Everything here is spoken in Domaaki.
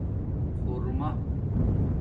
خورمہ